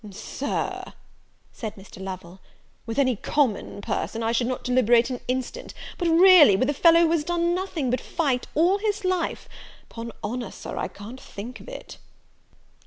"Sir," said Mr. Lovel, "with any common person I should not deliberate an instant; but really with a fellow who has done nothing but fight all his life, 'pon honour, Sir, I can't think of it!"